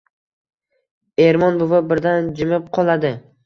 Ermon buva birdan jimib qoladi.